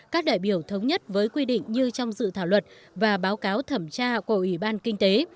các đại biểu thống nhất với quy định như trong dự thảo luật và báo cáo thẩm tra của ủy ban kinh tế